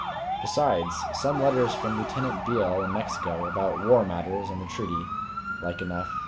Besides, some letters from Lieutenant Beale in Mexico, about war matters and the treaty, like enough.